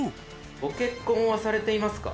ご結婚はされていますか？